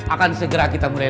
akan segera kita mulai